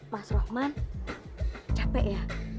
mas rahman capek ya